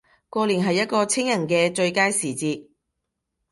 過年係一個清人既最佳時節